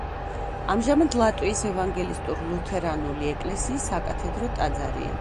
ამჟამად ლატვიის ევანგელისტურ-ლუთერანული ეკლესიის საკათედრო ტაძარია.